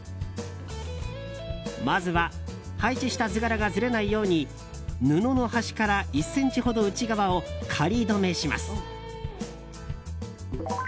まずは配置した図柄がずれないように布の端から１ｃｍほど内側を仮留めします。